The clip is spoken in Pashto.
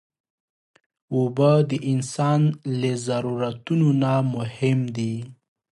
اوبه د انسان له ضرورتونو نه مهم دي.